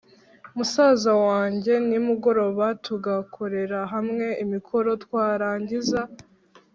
musaza wange, nimugobora tugakorera hamwe imikoro, twarangiza